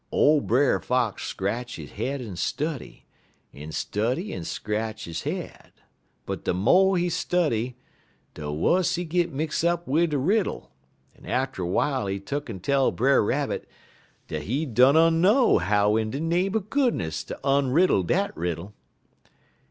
_' "Ole Brer Fox scratch he head en study, en study en scratch he head, but de mo' he study de wuss he git mix up wid de riddle, en atter w'ile he tuck'n tell Brer Rabbit dat he dunno how in de name er goodness ter onriddle dat riddle.